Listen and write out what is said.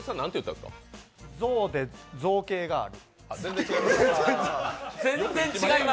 象で、造詣がある。